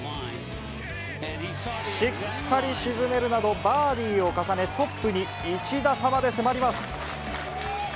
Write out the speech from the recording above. しっかり沈めるなど、バーディーを重ね、トップに１打差まで迫ります。